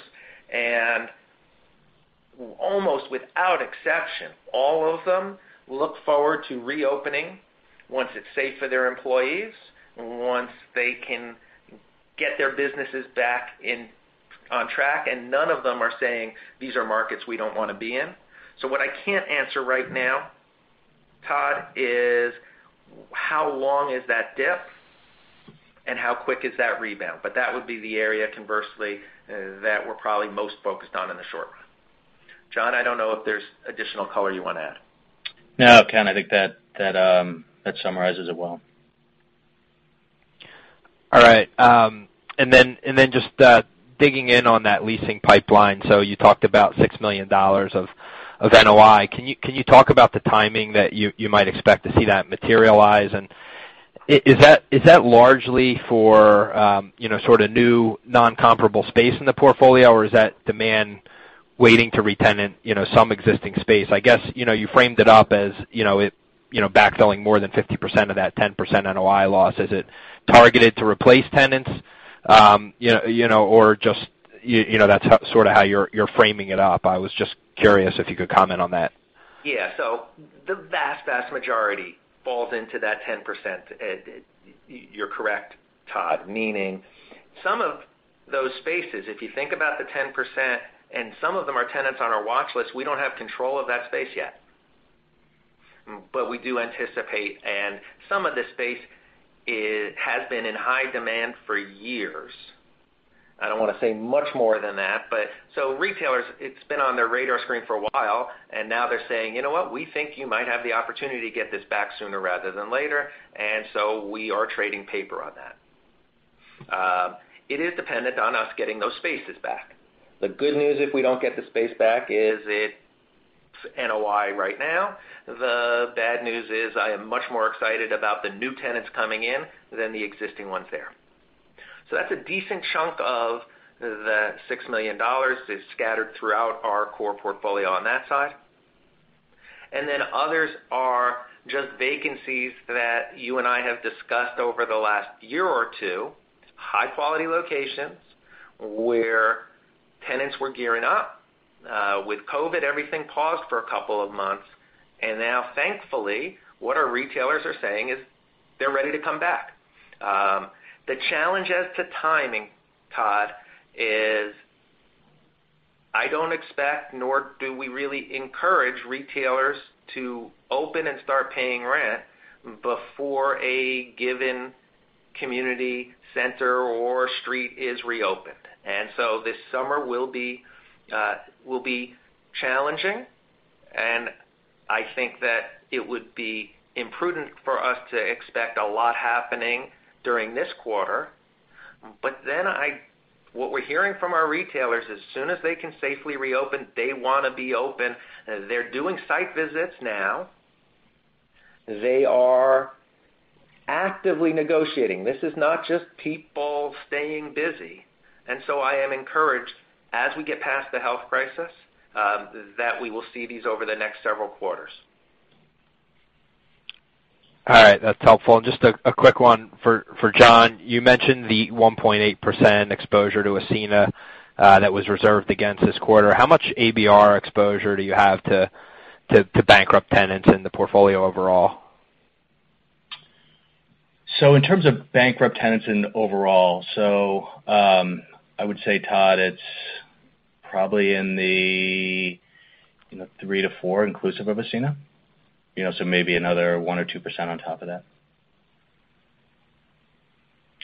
and almost without exception, all of them look forward to reopening once it's safe for their employees, once they can get their businesses back on track, and none of them are saying, "These are markets we don't want to be in." What I can't answer right now, Todd, is how long is that dip and how quick is that rebound. That would be the area, conversely, that we're probably most focused on in the short run. John, I don't know if there's additional color you want to add? No, Ken, I think that summarizes it well. All right. Just digging in on that leasing pipeline. You talked about $6 million of NOI. Can you talk about the timing that you might expect to see that materialize? Is that largely for sort of new non-comparable space in the portfolio, or is that demand waiting to re-tenant some existing space? I guess, you framed it up as backfilling more than 50% of that 10% NOI loss. Is it targeted to replace tenants, or just that's sort of how you're framing it up? I was just curious if you could comment on that. Yeah. The vast majority falls into that 10%. You're correct, Todd. Meaning some of those spaces, if you think about the 10%, and some of them are tenants on our watch list, we don't have control of that space yet. We do anticipate, and some of this space has been in high demand for years. I don't want to say much more than that, but retailers, it's been on their radar screen for a while, and now they're saying, "You know what? We think you might have the opportunity to get this back sooner rather than later." We are trading paper on that. It is dependent on us getting those spaces back. The good news if we don't get the space back is it's NOI right now. The bad news is I am much more excited about the new tenants coming in than the existing ones there. That's a decent chunk of the $6 million is scattered throughout our core portfolio on that side. Others are just vacancies that you and I have discussed over the last year or two, high-quality locations where tenants were gearing up. With COVID, everything paused for a couple of months, and now thankfully, what our retailers are saying is they're ready to come back. The challenge as to timing, Todd, is I don't expect, nor do we really encourage retailers to open and start paying rent before a given community center or street is reopened. This summer will be challenging, and I think that it would be imprudent for us to expect a lot happening during this quarter. What we're hearing from our retailers, as soon as they can safely reopen, they want to be open. They're doing site visits now. They are actively negotiating. This is not just people staying busy. I am encouraged as we get past the health crisis, that we will see these over the next several quarters. All right, that's helpful. Just a quick one for John. You mentioned the 1.8% exposure to Ascena, that was reserved against this quarter. How much ABR exposure do you have to bankrupt tenants in the portfolio overall? In terms of bankrupt tenants in overall, I would say, Todd, it's probably in the three to four inclusive of Ascena. Maybe another 1% or 2% on top of that.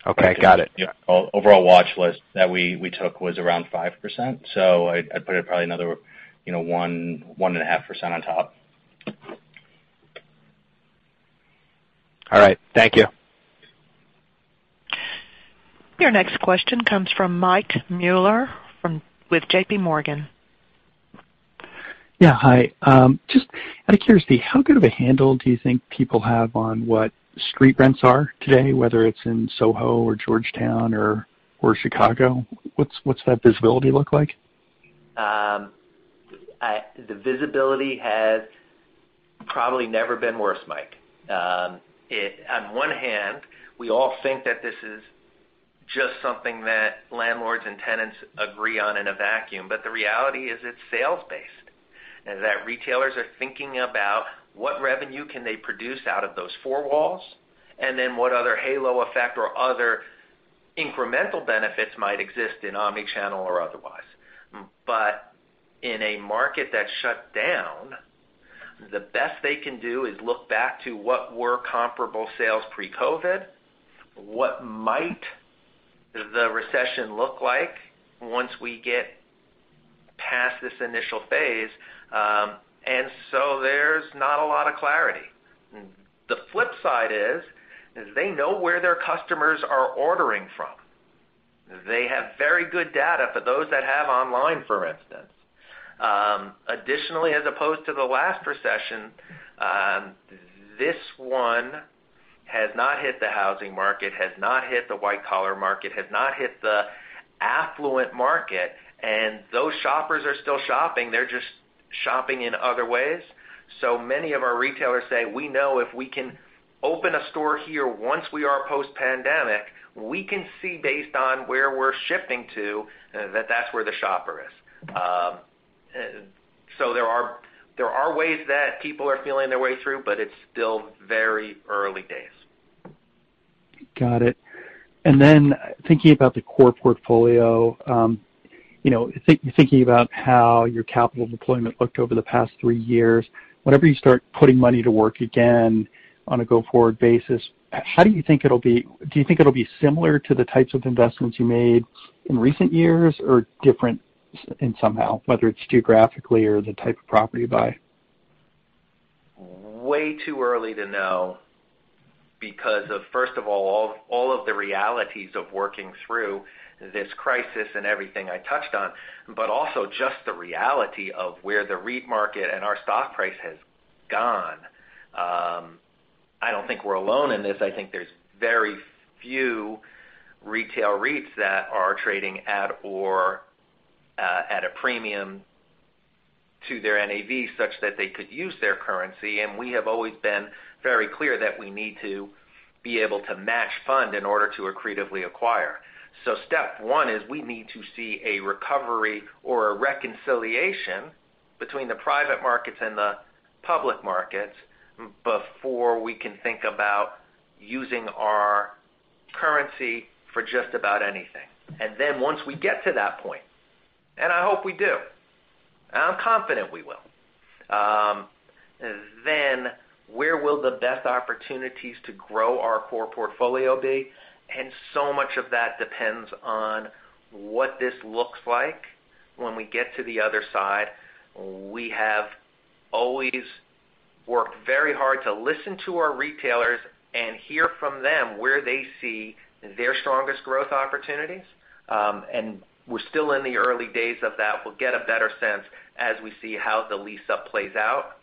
Okay. Got it. Overall watch list that we took was around 5%, so I'd put it probably another 1.5% on top. All right. Thank you. Your next question comes from Michael Mueller with JPMorgan. Yeah. Hi. Just out of curiosity, how good of a handle do you think people have on what street rents are today, whether it's in SoHo or Georgetown or Chicago? What's that visibility look like? The visibility has probably never been worse, Mike. On one hand, we all think that this is just something that landlords and tenants agree on in a vacuum, but the reality is it's sales-based, and that retailers are thinking about what revenue can they produce out of those four walls, and then what other halo effect or other incremental benefits might exist in omni-channel or otherwise. In a market that's shut down, the best they can do is look back to what were comparable sales pre-COVID, what might the recession look like once we get past this initial phase. There's not a lot of clarity. The flip side is they know where their customers are ordering from. They have very good data for those that have online, for instance. Additionally, as opposed to the last recession, this one has not hit the housing market, has not hit the white collar market, has not hit the affluent market, and those shoppers are still shopping. They're just shopping in other ways. Many of our retailers say, "We know if we can open a store here, once we are post-pandemic, we can see based on where we're shifting to, that's where the shopper is." There are ways that people are feeling their way through, but it's still very early days. Got it. Thinking about the core portfolio, thinking about how your capital deployment looked over the past three years, whenever you start putting money to work again on a go-forward basis, do you think it'll be similar to the types of investments you made in recent years or different in somehow, whether it's geographically or the type of property buy? Way too early to know because of, first of all, of the realities of working through this crisis and everything I touched on. Also just the reality of where the REIT market and our stock price has gone. I don't think we're alone in this. I think there's very few retail REITs that are trading at or at a premium to their NAV such that they could use their currency. We have always been very clear that we need to be able to match fund in order to accretively acquire. Step one is we need to see a recovery or a reconciliation between the private markets and the public markets before we can think about using our currency for just about anything. Then once we get to that point, and I hope we do, and I'm confident we will, then where will the best opportunities to grow our core portfolio be? So much of that depends on what this looks like when we get to the other side. We have always worked very hard to listen to our retailers and hear from them where they see their strongest growth opportunities. We're still in the early days of that. We'll get a better sense as we see how the lease-up plays out.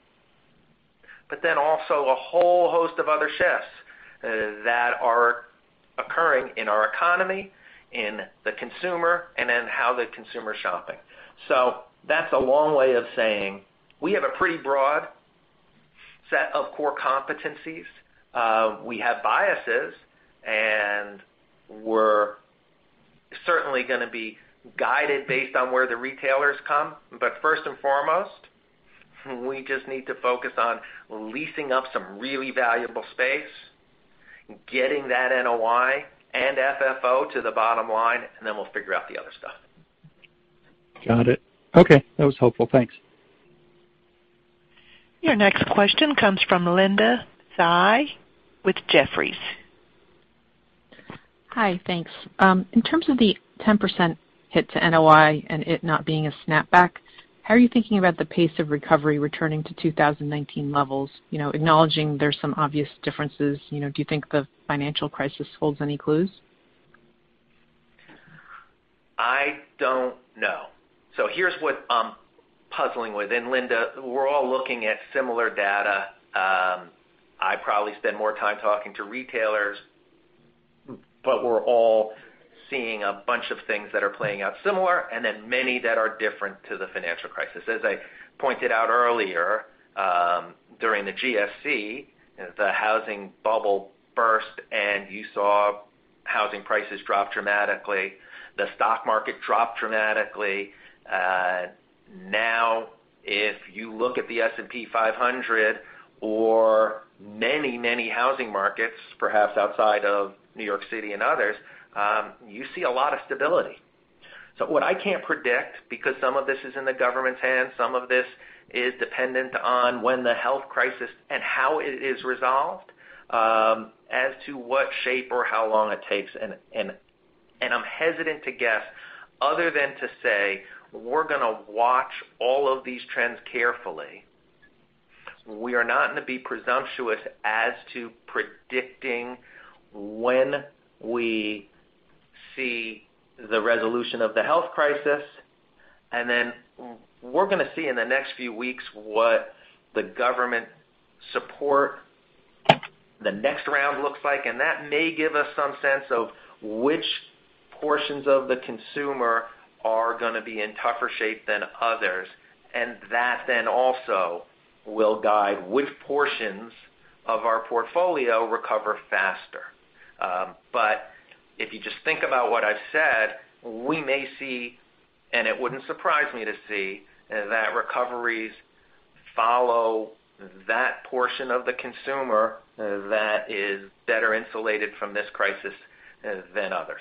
Then also a whole host of other shifts that are occurring in our economy, in the consumer, and in how the consumer's shopping. That's a long way of saying we have a pretty broad set of core competencies. We have biases, and we're certainly going to be guided based on where the retailers come. First and foremost, we just need to focus on leasing up some really valuable space, getting that NOI and FFO to the bottom line, and then we'll figure out the other stuff. Got it. Okay. That was helpful. Thanks. Your next question comes from Linda Tsai with Jefferies. Hi. Thanks. In terms of the 10% hit to NOI and it not being a snapback, how are you thinking about the pace of recovery returning to 2019 levels? Acknowledging there's some obvious differences, do you think the financial crisis holds any clues? I don't know. Here's what I'm puzzling with. Linda, we're all looking at similar data. I probably spend more time talking to retailers, we're all seeing a bunch of things that are playing out similar, and then many that are different to the financial crisis. As I pointed out earlier, during the GFC, the housing bubble burst, you saw housing prices drop dramatically. The stock market dropped dramatically. If you look at the S&P 500 or many housing markets, perhaps outside of New York City and others, you see a lot of stability. What I can't predict, because some of this is in the government's hands, some of this is dependent on when the health crisis and how it is resolved, as to what shape or how long it takes, and I'm hesitant to guess other than to say, we're going to watch all of these trends carefully. We are not going to be presumptuous as to predicting when we see the resolution of the health crisis. Then we're going to see in the next few weeks what the government support, the next round looks like, and that may give us some sense of which portions of the consumer are going to be in tougher shape than others. That then also will guide which portions of our portfolio recover faster. If you just think about what I've said, we may see, and it wouldn't surprise me to see, that recoveries follow that portion of the consumer that is better insulated from this crisis than others.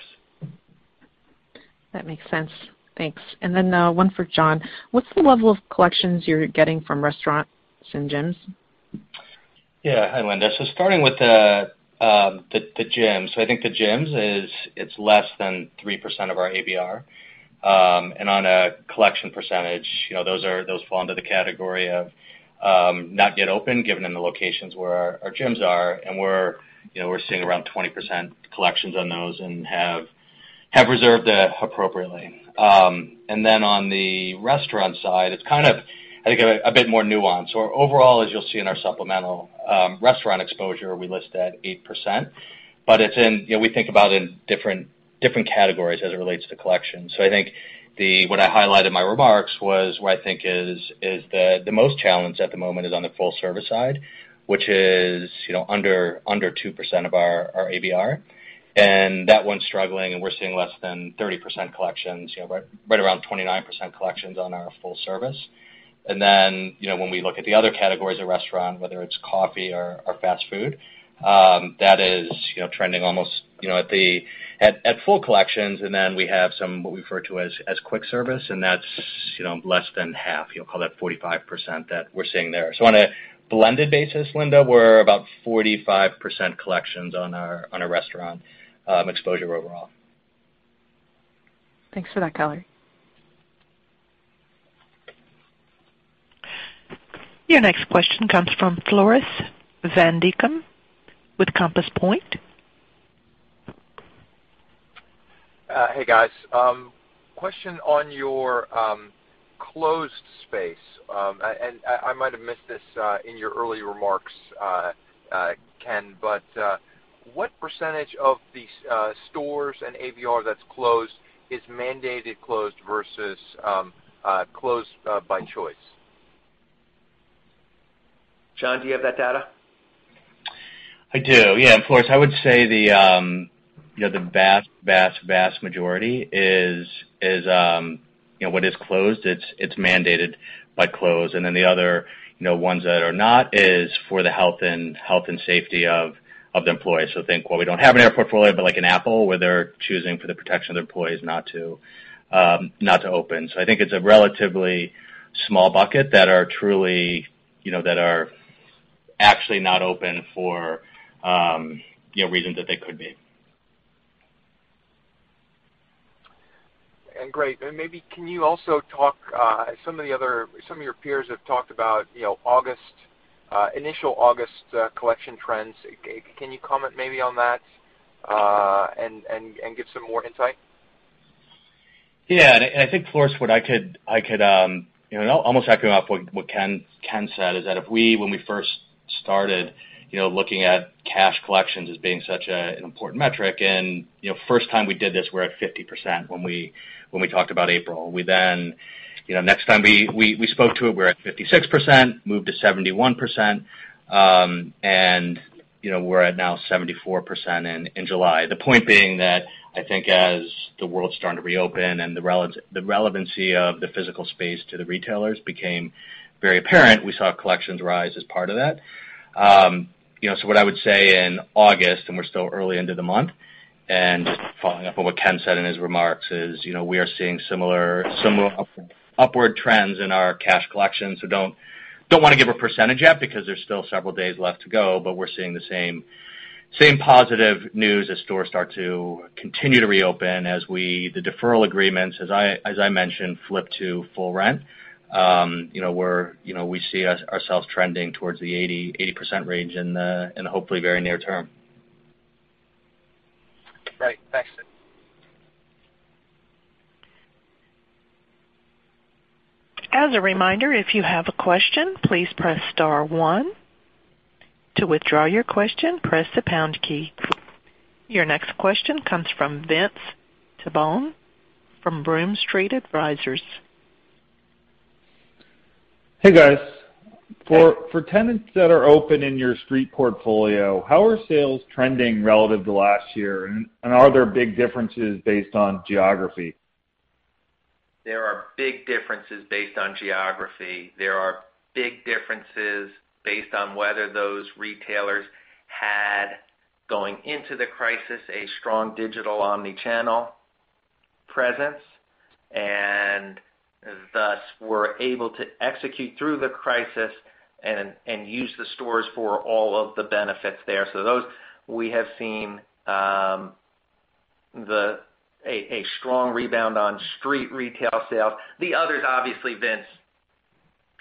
That makes sense. Thanks. Then one for John. What's the level of collections you're getting from restaurants and gyms? Yeah. Hi, Linda. Starting with the gyms. I think the gyms, it's less than 3% of our ABR. On a collection percentage, those fall into the category of not yet opened, given in the locations where our gyms are. We're seeing around 20% collections on those and have reserved that appropriately. On the restaurant side, it's kind of, I think, a bit more nuanced. Overall, as you'll see in our supplemental restaurant exposure, we list at 8%, but we think about in different categories as it relates to collections. I think what I highlight in my remarks was where I think is the most challenged at the moment is on the full-service side, which is under 2% of our ABR. That one's struggling, and we're seeing less than 30% collections, right around 29% collections on our full service. When we look at the other categories of restaurant, whether it's coffee or fast food, that is trending almost at full collections. We have some, what we refer to as quick service, and that's less than half. You'll call that 45% that we're seeing there. On a blended basis, Linda, we're about 45% collections on our restaurant exposure overall. Thanks for that color. Your next question comes from Floris van Dijkum with Compass Point. Hey, guys. Question on your closed space. I might have missed this in your early remarks, Ken, but what percentage of these stores and ABR that's closed is mandated closed versus closed by choice? John, do you have that data? I do. Floris, I would say the vast majority is what is closed, it's mandated by close. The other ones that are not is for the health and safety of the employees. Think while we don't have in our portfolio, but like an Apple, where they're choosing for the protection of their employees not to open. I think it's a relatively small bucket that are actually not open for reasons that they could be. Great. Maybe, can you also talk, some of your peers have talked about initial August collection trends. Can you comment maybe on that, and give some more insight? Yeah. I think, Floris, what I could almost echo off what Ken said is that if we, when we first started looking at cash collections as being such an important metric, and first time we did this, we're at 50% when we talked about April. We then, next time we spoke to it, we're at 56%, moved to 71%, and we're at now 74% in July. The point being that I think as the world's starting to reopen and the relevancy of the physical space to the retailers became very apparent, we saw collections rise as part of that. What I would say in August, and we're still early into the month, and following up on what Ken said in his remarks is, we are seeing similar upward trends in our cash collections. Don't want to give a percentage yet because there's still several days left to go, but we're seeing the same positive news as stores start to continue to reopen as the deferral agreements, as I mentioned, flip to full rent. We see ourselves trending towards the 80% range in the hopefully very near term. Great. Thanks. As a reminder, if you have a question, please press star one. To withdraw your question, press the pound key. Your next question comes from Vince Tibone from Green Street Advisors. Hey, guys. For tenants that are open in your street portfolio, how are sales trending relative to last year, and are there big differences based on geography? There are big differences based on geography. There are big differences based on whether those retailers had, going into the crisis, a strong digital omnichannel presence, and thus were able to execute through the crisis and use the stores for all of the benefits there. Those, we have seen a strong rebound on street retail sales. The others, obviously, Vince,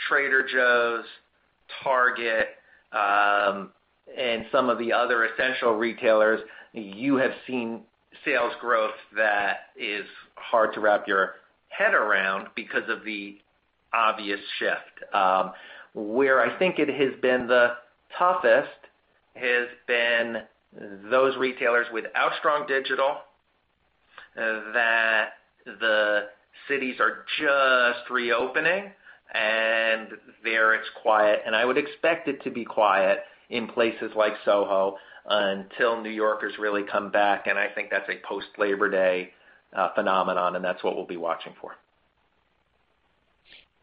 Trader Joe's, Target, and some of the other essential retailers, you have seen sales growth that is hard to wrap your head around because of the obvious shift. Where I think it has been the toughest has been those retailers without strong digital, that the cities are just reopening, and there it's quiet. I would expect it to be quiet in places like SoHo until New Yorkers really come back, and I think that's a post-Labor Day phenomenon, and that's what we'll be watching for.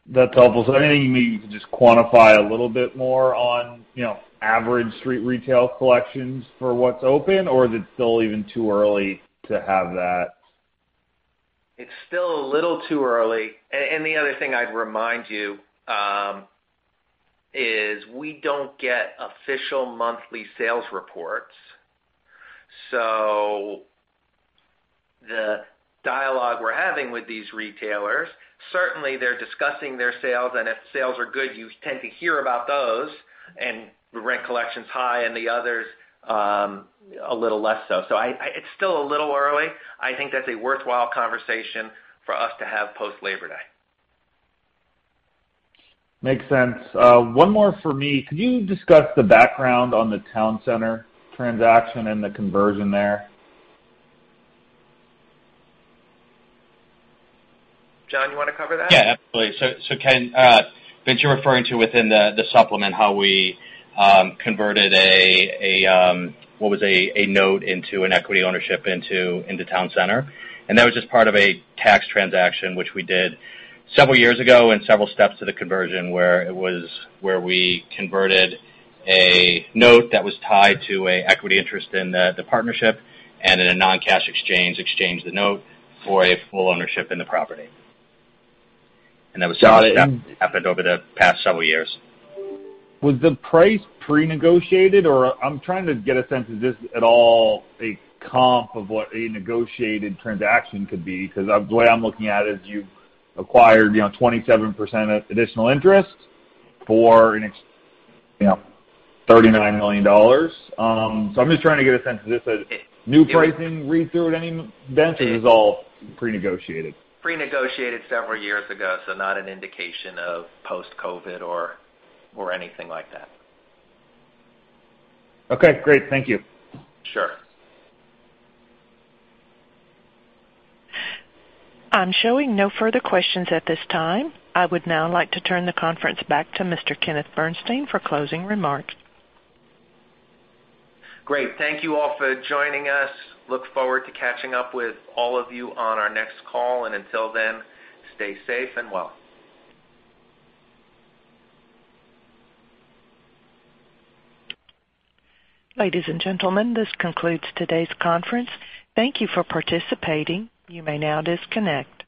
That's helpful. Anything you maybe can just quantify a little bit more on average street retail collections for what's open, or is it still even too early to have that? It's still a little too early. The other thing I'd remind you is we don't get official monthly sales reports. The dialogue we're having with these retailers, certainly they're discussing their sales, and if sales are good, you tend to hear about those, and rent collection's high and the others a little less so. It's still a little early. I think that's a worthwhile conversation for us to have post-Labor Day. Makes sense. One more for me. Could you discuss the background on the Town Center transaction and the conversion there? John, you want to cover that? Yeah, absolutely. Ken, Vince, you're referring to within the supplement how we converted what was a note into an equity ownership into Town Center. That was just part of a tax transaction, which we did several years ago, and several steps to the conversion, where we converted a note that was tied to an equity interest in the partnership and in a non-cash exchange, exchanged the note for a full ownership in the property. Something that happened over the past several years. Was the price pre-negotiated? I'm trying to get a sense, is this at all a comp of what a negotiated transaction could be? The way I'm looking at it is you've acquired 27% additional interest for $39 million. I'm just trying to get a sense, is this a new pricing read-through at any event, or is this all pre-negotiated? Pre-negotiated several years ago, so not an indication of post-COVID or anything like that. Okay, great. Thank you. Sure. I'm showing no further questions at this time. I would now like to turn the conference back to Mr. Kenneth Bernstein for closing remarks. Great. Thank you all for joining us. Look forward to catching up with all of you on our next call. Until then, stay safe and well. Ladies and gentlemen, this concludes today's conference. Thank you for participating. You may now disconnect.